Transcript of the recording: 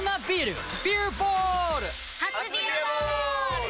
初「ビアボール」！